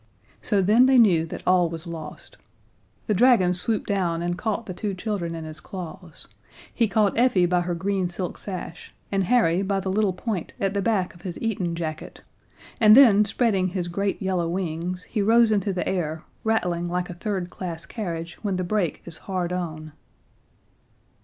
So then they knew that all was lost. The dragon swooped down and caught the two children in his claws; he caught Effie by her green silk sash, and Harry by the little point at the back of his Eton jacket and then, spreading his great yellow wings, he rose into the air, rattling like a third class carriage when the brake is hard on.